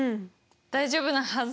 大丈夫なはず。